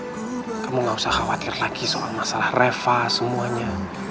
kamu gak usah khawatir lagi soal masalah reva semuanya